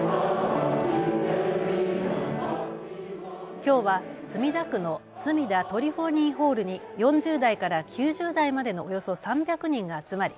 きょうは墨田区のすみだトリフォニーホールに４０代から９０代までのおよそ３００人が集まり